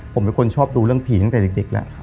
ผมเป็นคนชอบดูเรื่องผีตั้งแต่เด็กแล้ว